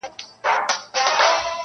درې زمري یې له هډونو جوړېدله -